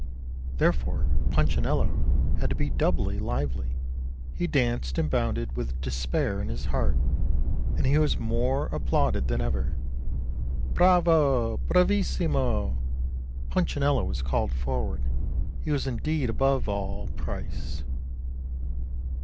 Therefore Punchinello had to be doubly lively; he danced and bounded with despair in his heart, and he was more applauded than ever. ' Bravo ! Bravissimo !' Punchinello was called forward, he was indeed above all price.